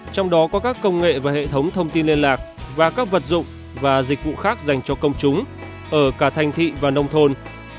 trong đó có các công nghệ và hệ thống thông tin liên lạc và các vật dụng và dịch vụ khác dành cho công chúng ở cả thành thị và nông thôn